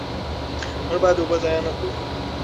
موږ باید اوبه ضایع نه کړو.